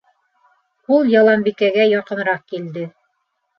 — Ул Яланбикәгә яҡыныраҡ килде.